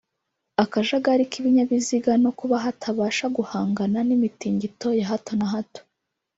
akajagari k’ibinyabiziga no kuba hatabasha guhangana n’imitingito ya hato na hato